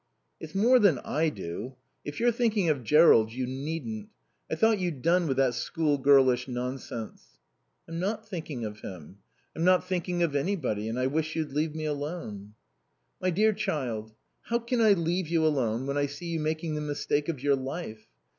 "It's more than I do. If you're thinking of Jerrold, you needn't. I thought you'd done with that schoolgirlish nonsense." "I'm not 'thinking' of him. I'm not 'thinking' of anybody and I wish you'd leave me alone." "My dear child, how can I leave you alone when I see you making the mistake of your life?